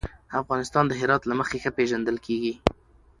افغانستان د هرات له مخې ښه پېژندل کېږي.